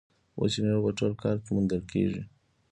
وچې میوې په ټول کال کې موندل کیږي.